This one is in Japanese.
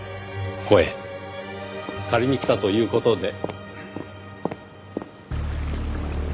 ここへ借りに来たという事で。